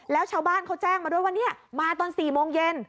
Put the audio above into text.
แล้วชาวบ้านเขาแจ้งมาด้วยว่าเนี่ยมาตอน๔โมงเย็น